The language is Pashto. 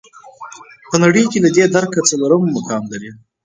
په نړۍ کې له دې درکه څلورم مقام لري.